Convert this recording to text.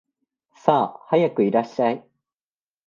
さあ、早くいらっしゃい